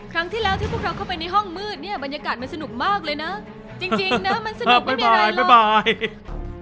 ครั้งที่แล้วที่พวกเราเข้าไปในห้องมืดเนี่ยบรรยากาศมันสนุกมากเลยนะจริงนะมันสนุกไม่มีใครสบาย